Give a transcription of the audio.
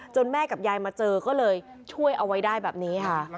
แม่กับยายมาเจอก็เลยช่วยเอาไว้ได้แบบนี้ค่ะ